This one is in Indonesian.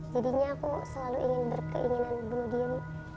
jadinya aku selalu ingin berkeinginan berdiam